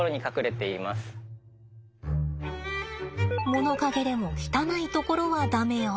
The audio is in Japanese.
物陰でも汚いところは駄目よ。